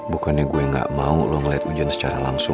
bukannya gue gak mau lo ngeliat hujan secara lalu